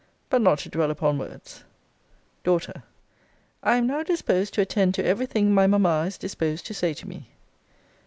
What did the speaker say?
But not to dwell upon words. Daughter. I am now disposed to attend to every thing my mamma is disposed to say to me.